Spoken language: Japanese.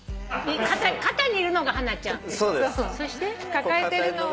抱えてるのは。